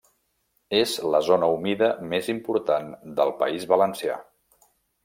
És la zona humida més important del País Valencià.